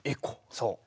そう。